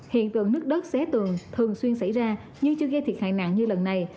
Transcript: hiện tường nước đất xé tường thường xuyên xảy ra nhưng chưa gây thiệt hại nặng như lần này